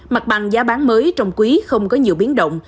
mặt bằng giá bán mới trong quý không có nhiều biến động